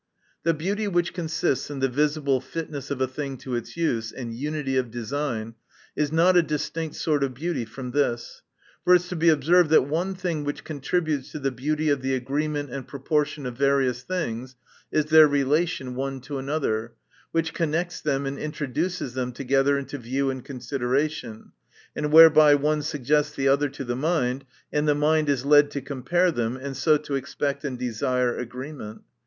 The beauty which consists in the visible fitness of a thing to its use and unity of design, is not a distinct sort of beauty from this. For it is to be ob served, that one thing which contributes to the beauty of the agreement and proportion of various things, is their relation one to another ; which connects them, and introduces them together into view and consideration, and whereby one suggests the other to the mind, and the mind is led to compare them, and so to expect and desire agreement.